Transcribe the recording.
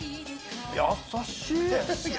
優しい。